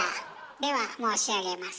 では申し上げます。